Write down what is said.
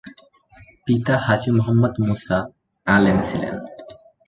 পিতা হাজী মোহাম্মদ মুসা আলেম ছিলেন।